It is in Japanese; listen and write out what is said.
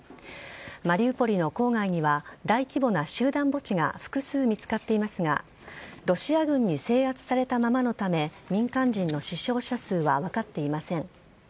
マリウポリの郊外には大規模な集団墓地が複数見つかっていますがロシア軍に制圧されたままのため民間人の死傷者数は分かっていません。